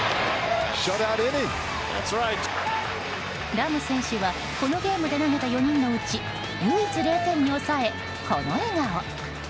ラム選手はこのゲームで投げた４人のうち唯一０点に抑え、この笑顔。